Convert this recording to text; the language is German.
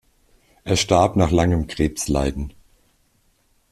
Er starb nach langem Krebsleiden.